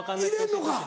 入れんのか？